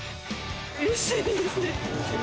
うれしいですね。